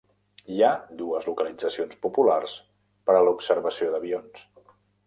Hi ha dues localitzacions populars per a l'observació d'avions.